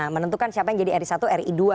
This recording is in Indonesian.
menentukan siapa yang jadi ri satu ri dua